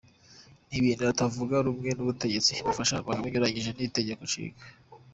Ni ibintu abatavuga rumwe n’ubutegetsi bafashe nk’ibinyuranyije n’Itegeko Nshinga.